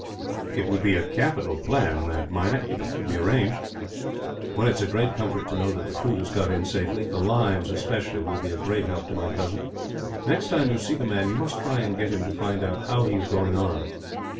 "It would be a capital plan that, Meinik, if it could be arranged. "Well, it is a great comfort to know that the fruit has got in safely. The limes, especially, will be a great help to my cousin. Next time you see the man, you must try and get him to find out how he is going on."